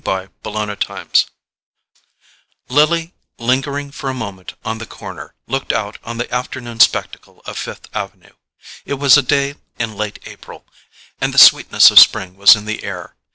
Chapter 11 Lily, lingering for a moment on the corner, looked out on the afternoon spectacle of Fifth Avenue. It was a day in late April, and the sweetness of spring was in the air.